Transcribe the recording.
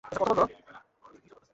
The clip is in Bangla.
জ্যানেট টাকোডা, উনি হচ্ছেন জ্যাক হল।